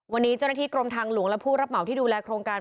วันนี้เจ้าหน้าที่กรมทางหลวงและผู้รับเหมาที่ดูแลโครงการ